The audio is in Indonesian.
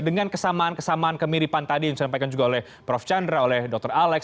dengan kesamaan kesamaan kemiripan tadi yang disampaikan juga oleh prof chandra oleh dr alex